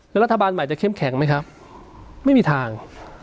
แล้วรัฐบาลใหม่จะเข้มแข็งไหมครับไม่มีทาง